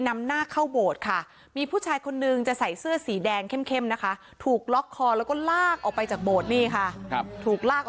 มีผู้ชายคนนึงจะใส่เสื้อสีแดงเข้มนะคะถูกล็อกคอแล้วก็ลากออกไปจาก